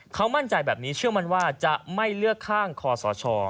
เขามั่นใจแบบนี้เชื่อมั่นว่าจะไม่เลือกข้างคอสช